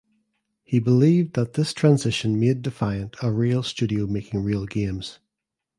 He believed that this transition made Defiant "a real studio making real games".